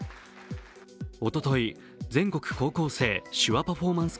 おととい、全国高校生手話パフォーマンス